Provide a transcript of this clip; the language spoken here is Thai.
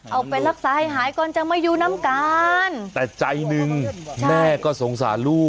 เอาไปรักษาให้หายก่อนจะมายูน้ำตาลแต่ใจหนึ่งแม่ก็สงสารลูก